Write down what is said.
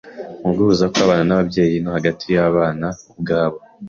mu guhuza kw’abana n’ababyeyi no hagati y’abana ubwabo.